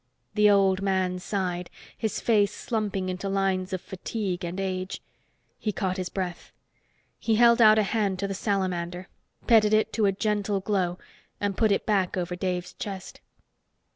The old man sighed, his face slumping into lines of fatigue and age. He caught his breath. He held out a hand to the salamander, petted it to a gentle glow and put it back over Dave's chest.